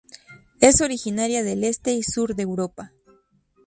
Es originaria del este y sur de Europa.